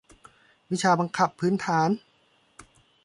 วิชาบังคับพื้นฐาน